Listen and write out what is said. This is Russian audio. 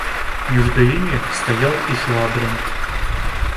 Между ими стоял и Швабрин.